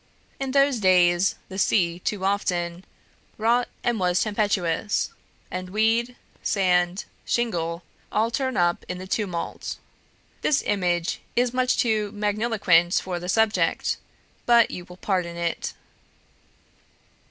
In those days, the sea too often 'wrought and was tempestuous,' and weed, sand, shingle all turned up in the tumult. This image is much too magniloquent for the subject, but you will pardon it."